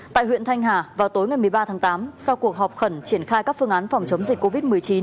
tại huyện thanh hà vào tối ngày một mươi ba tháng tám sau cuộc họp khẩn triển khai các phương án phòng chống dịch covid một mươi chín